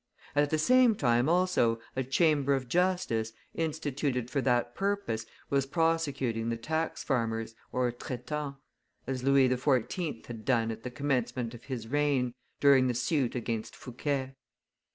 At the same time also a chamber of justice, instituted for that purpose, was prosecuting the tax farmers (traitants), as Louis XIV. had done at the commencement of his reign, during the suit against Fouquet.